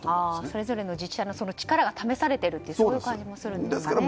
それぞれの自治体の力が試されているという感じもするんですかね。